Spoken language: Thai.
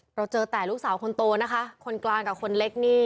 เราเจอแต่ลูกสาวคนโตนะคะคนกลางกับคนเล็กนี่